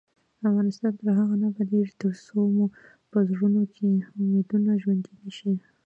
افغانستان تر هغو نه ابادیږي، ترڅو مو په زړونو کې امیدونه ژوندۍ نشي.